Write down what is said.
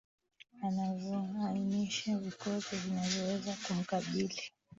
anavyoainisha vikwazo vinavyoweza kumkabili